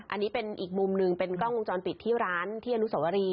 อันนี้เป็นอีกมุมหนึ่งเป็นกล้องวงจรปิดที่ร้านที่อนุสวรี